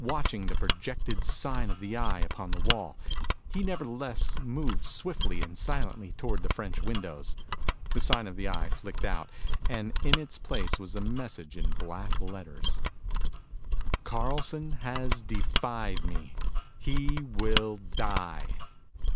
Watching the projected sign of the eye upon the wall, he nevertheless moved swiftly and silently toward the French windows. The sign of the Eye flicked out, and in its place was a message in black letters: CARLSON HAS DEFIED ME. HE WILL DIE.